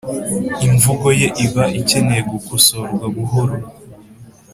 imvugo ye iba ikeneye gukosorwa buhoro